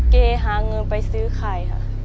หาเงินไปซื้อไข่ค่ะ